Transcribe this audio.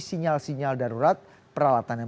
sinyal sinyal darurat peralatannya